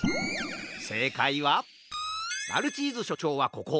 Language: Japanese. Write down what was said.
せいかいはマルチーズしょちょうはここ。